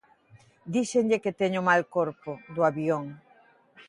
Díxenlle que teño mal corpo, do avión.